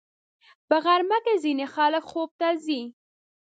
په غرمه کې ځینې خلک خوب ته ځي